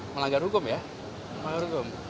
melanggar hukum ya melanggar hukum